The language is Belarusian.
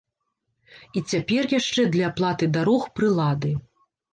І цяпер яшчэ для аплаты дарог прылады.